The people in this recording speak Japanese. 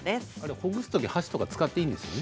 ほぐすとき箸を使っていいんですよね。